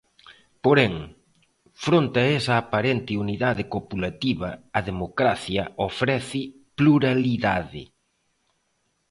Porén, fronte esa aparente unidade copulativa, a democracia ofrece pluralidade.